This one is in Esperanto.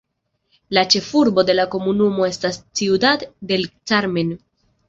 La ĉefurbo de la komunumo estas Ciudad del Carmen.